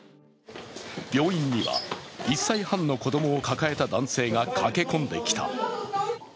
病院には１歳半の子供を抱えた男性が駆け込んできた。